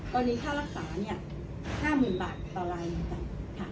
กรณีค่ารักษา๕๐๐๐๐บาทต่อร่ายเหมือนกัน